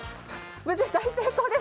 無事、大成功です。